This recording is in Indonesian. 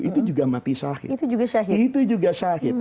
itu juga mati syahid